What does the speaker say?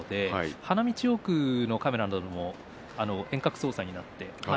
花道奥のカメラは遠隔操作になっています。